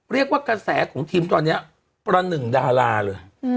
กระแสของทีมตอนนี้ประหนึ่งดาราเลย